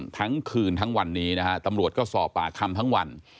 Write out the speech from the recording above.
ทั้งคืนทั้งวันนี้นะฮะตำรวจก็สอบปากคำทั้งวัน